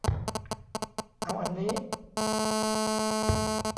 เอาอันนี้